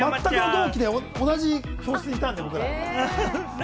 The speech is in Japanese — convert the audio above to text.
同期で同じ教室にいたんで、僕ら。